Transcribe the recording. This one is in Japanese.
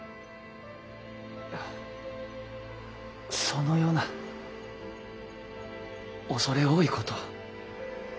あそのような恐れ多いこと。